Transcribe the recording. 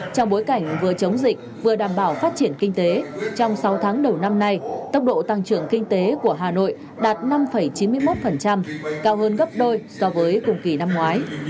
trong bối cảnh vừa chống dịch vừa đảm bảo phát triển kinh tế trong sáu tháng đầu năm nay tốc độ tăng trưởng kinh tế của hà nội đạt năm chín mươi một cao hơn gấp đôi so với cùng kỳ năm ngoái